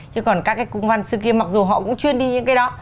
chứ còn các cái cung văn xưa kia mặc dù họ cũng chuyên đi những cái đó